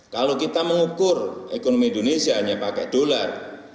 kalau kita mengukur ekonomi indonesia hanya pakai dolar